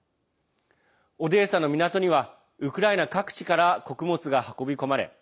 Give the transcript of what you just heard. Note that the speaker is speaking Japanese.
オデーサの港にはウクライナ各地から穀物が運び込まれ